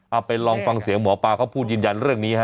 เอาไปลองฟังเสียงหมอปลาเขาพูดยืนยันเรื่องนี้ฮะ